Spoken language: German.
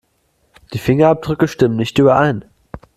Die Fingerabdrücke stimmen nicht überein.